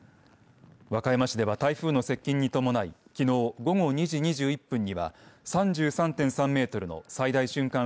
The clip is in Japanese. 和歌山市では台風の接近に伴いきのう午後２時２１分には３３．３メートルの最大瞬間